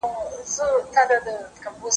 دا کاغذ له هغو پاک دي!.